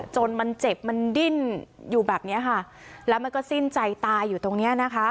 จนมันเจ็บมันดิ้นอยู่แบบเนี้ยค่ะแล้วมันก็สิ้นใจตายอยู่ตรงเนี้ยนะคะ